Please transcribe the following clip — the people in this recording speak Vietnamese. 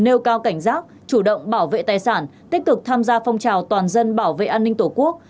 nêu cao cảnh giác chủ động bảo vệ tài sản tích cực tham gia phong trào toàn dân bảo vệ an ninh tổ quốc